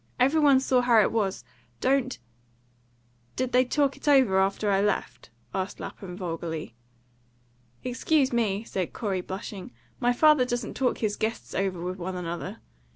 "Every one saw how it was. Don't " "Did they talk it over after I left?" asked Lapham vulgarly. "Excuse me," said Corey, blushing, "my father doesn't talk his guests over with one another."